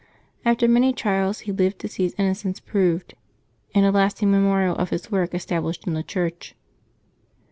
After many trials he lived to see his innocence proved, and a lasting memorial of his work established in a church.